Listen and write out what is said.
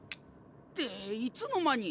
っていつの間に！？